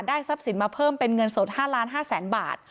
ทรัพย์สินมาเพิ่มเป็นเงินสด๕๕๐๐๐๐บาท